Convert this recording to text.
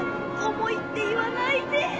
重いって言わないで！